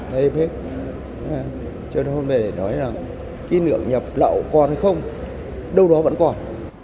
thế đêm hết cho nên hôm nay để nói là kỷ niệm nhập lậu còn hay không đâu đó vẫn còn